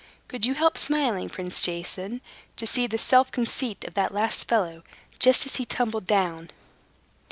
Could you help smiling, Prince Jason, to see the self conceit of that last fellow, just as he tumbled down?"